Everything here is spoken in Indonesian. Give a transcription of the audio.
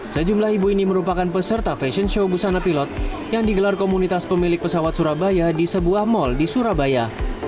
sejumlah ibu ini merupakan peserta fashion show busana pilot yang digelar komunitas pemilik pesawat surabaya di sebuah mal di surabaya